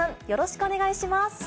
よろしくお願いします。